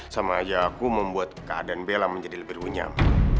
sama aja aku membuat keadaan bella menjadi lebih runyam